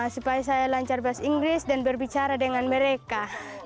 supaya saya lancar bahasa inggris dan berbicara dengan mereka